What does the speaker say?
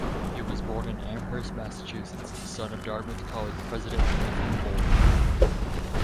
He was born in Amherst, Massachusetts, the son of Dartmouth College president Nathan Lord.